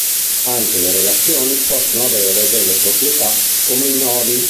Anche le relazioni possono avere delle proprietà come i nodi.